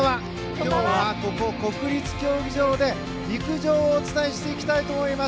今日は国立競技場で陸上をお伝えしていきたいと思います。